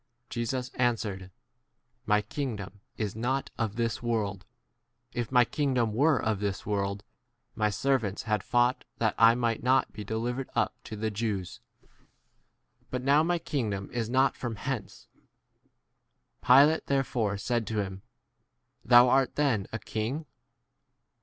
Jesus answered, My king dom is not of this world ; if my kingdom were of this world, my servants had fought that I might not be delivered up to the Jews ; but now my kingdom is not from 37 hence. Pilate therefore said to him, Thou' art then a king?